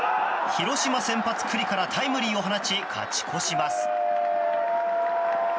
広島先発、九里からタイムリーを放ち勝ち越します。